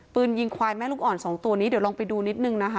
ปืนยิงควายแม่ลูกอ่อนสองตัวนี้เดี๋ยวลองไปดูนิดนึงนะคะ